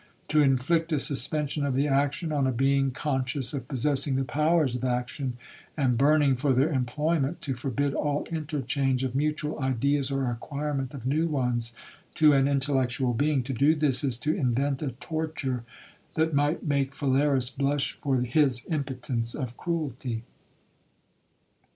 To inflict a suspension of the action on a being conscious of possessing the powers of action, and burning for their employment,—to forbid all interchange of mutual ideas, or acquirement of new ones to an intellectual being,—to do this, is to invent a torture that might make Phalaris blush for his impotence of cruelty.